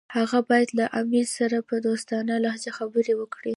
هغه باید له امیر سره په دوستانه لهجه خبرې وکړي.